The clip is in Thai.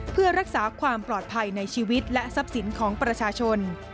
เพื่อรักษาความปลอดภัยในชีวิตและทรัพย์สินของประชาชน